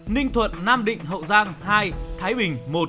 ninh thuận nam định hậu giang hai thái bình một